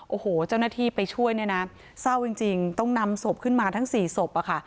โอ้โหเจ้าหน้าที่ไปช่วยเนี่ยนะเศร้าจริงต้องนำศพขึ้นมาทั้งสี่ศพอะค่ะ